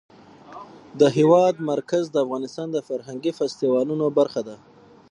د هېواد مرکز د افغانستان د فرهنګي فستیوالونو برخه ده.